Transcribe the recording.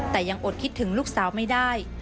แต่ยังอดคิดถึงลูกสาวไม่ได้